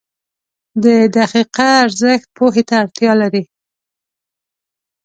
• د دقیقه ارزښت پوهې ته اړتیا لري.